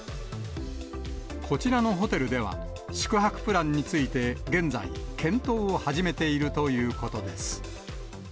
こちらのホテルでは、宿泊プランについて、現在検討を始めているということです。